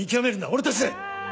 俺たちで！